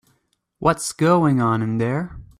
What's going on in there?